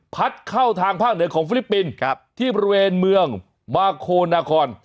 พัดเข้าทางภาคเหนือของฟิลิปปินส์ที่บริเวณเมืองมาโคนาคอน